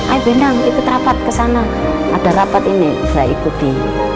ayah binang ikut rapat kesana ada rapat ini saya ikuti